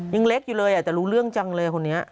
ยังเล็กอยู่เลยแต่รู้เรื่องจังเลยคนนี้